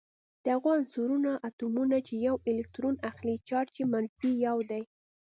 د هغو عنصرونو اتومونه چې یو الکترون اخلي چارج یې منفي یو دی.